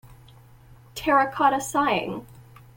Terracotta Sighing.